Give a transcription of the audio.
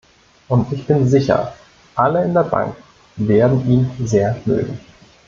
Und ich bin sicher, alle in der Bank werden ihn sehr mögen.